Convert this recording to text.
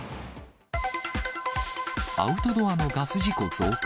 アウトドアのガス事故増加。